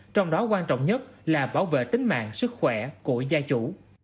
trong đó quan trọng nhất là bảo vệ tính mạng sức khỏe của gia chủ